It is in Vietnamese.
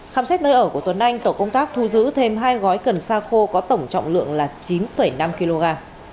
khám xét nơi ở của tuấn anh tổ công tác thu giữ thêm hai gói cần sa khô có tổng trọng lượng là chín năm kg